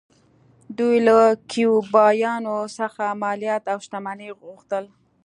دوی له کیوبایانو څخه مالیات او شتمنۍ غوښتل